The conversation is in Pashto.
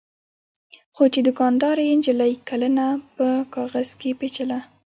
څو چې دوکاندارې نجلۍ کلنه په کاغذ کې پېچله.